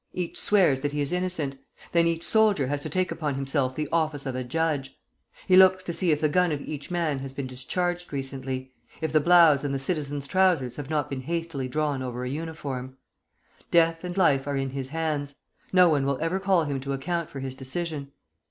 Each swears that he is innocent. Then each soldier has to take upon himself the office of a judge. He looks to see if the gun of each man has been discharged recently, if the blouse and the citizen's trousers have not been hastily drawn over a uniform. Death and life are in his hands; no one will ever call him to account for his decision.